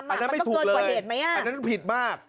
อันนี้ไม่ถูกเลยอันนั้นผิดมาก